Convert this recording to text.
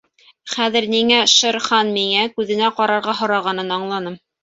— Хәҙер ниңә Шер Хан миңә... күҙенә ҡарарға һорағанын аңланым.